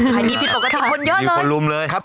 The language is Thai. ขายดีพิมพ์ปกติคนยอดเลย